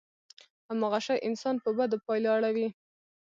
هماغه شی انسان په بدو پايلو اړوي.